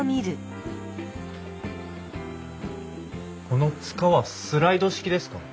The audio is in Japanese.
このつかはスライド式ですか？